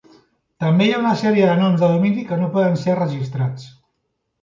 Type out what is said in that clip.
També hi ha una sèrie de noms de domini que no poden ser registrats.